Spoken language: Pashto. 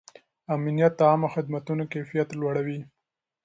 امنیت د عامه خدمتونو کیفیت لوړوي.